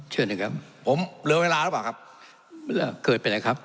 เชิญหน่อยครับผมเหลือเวลาแล้วป่ะครับเกิดไปแล้วครับ